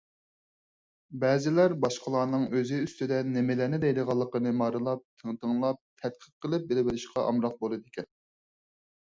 بەزىلەر باشقىلارنىڭ ئۆزى ئۈستىدە نېمىلەرنى دەيدىغانلىقىنى مارىلاپ، تىڭتىڭلاپ، تەتقىق قىلىپ بىلىۋېلىشقا ئامراق بولىدىكەن.